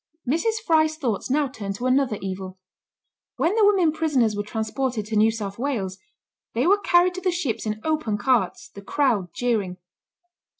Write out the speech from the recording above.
Mrs. Fry's thoughts now turned to another evil. When the women prisoners were transported to New South Wales, they were carried to the ships in open carts, the crowd jeering.